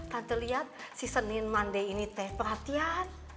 tante liat si senin mandi ini teh perhatian